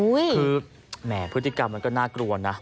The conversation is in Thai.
คือแหมพฤติกรรมมันก็น่ากลัวนะ